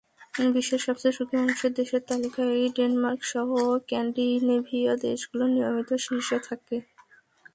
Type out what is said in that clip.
বিশ্বের সবচেয়ে সুখী মানুষের দেশের তালিকায় ডেনমার্কসহ স্ক্যান্ডিনেভীয় দেশগুলো নিয়মিত শীর্ষে থাকে।